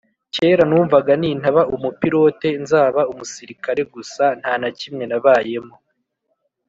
Kera numvaga nintaba umupirote nzaba umusirikare gusa ntanakimwe nabayemo